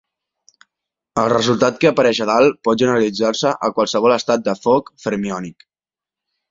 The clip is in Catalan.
El resultat que apareix a dalt pot generalitzar-se a qualsevol estat de Fock fermiònic.